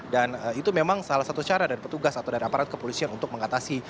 dan itu memang salah satu cara dari petugas atau dari aparat kepolisian untuk mengatasi